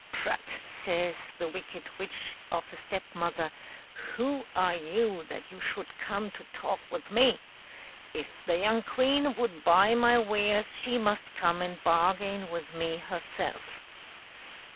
'* Prut !" says the wicked witch of a Step mother, " who are you that you should come to talk with me? If the young queen would buy my wares she must come and bargain with me herself.''